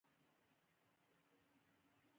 د نجونو تعلیم د نړیوالو اړیکو په پوهیدو کې مرسته کوي.